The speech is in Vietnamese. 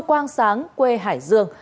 chú quang sáng quê hải dương